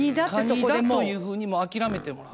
蟹だというふうにもう諦めてもらう。